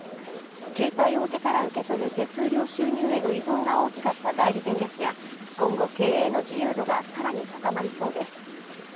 携帯大手から受け取る手数料収入への依存が大きかった代理店ですが今後、経営の自由度が更に高まりそうです。